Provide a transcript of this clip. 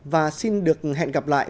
và xin được hẹn gặp lại